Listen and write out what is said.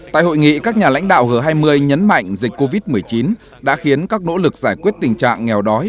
tại hội nghị các nhà lãnh đạo g hai mươi nhấn mạnh dịch covid một mươi chín đã khiến các nỗ lực giải quyết tình trạng nghèo đói